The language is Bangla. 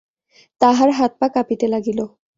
তাঁহার হাত-পা কাঁপিতে লাগিল।